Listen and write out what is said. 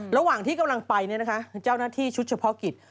ระหว่างที่กำลังไปเจ้าหน้าที่ชุดเฉพาะกิจ